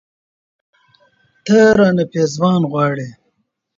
، ته رانه پېزوان غواړې